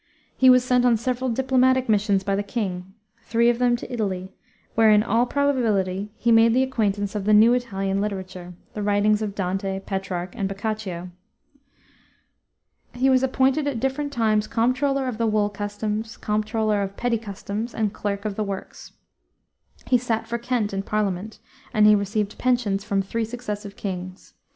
He was sent on several diplomatic missions by the king, three of them to Italy, where, in all probability, he made the acquaintance of the new Italian literature, the writings of Dante, Petrarch, and Boccaccio. He was appointed at different times Comptroller of the Wool Customs, Comptroller of Petty Customs, and Clerk of the Works. He sat for Kent in Parliament, and he received pensions from three successive kings.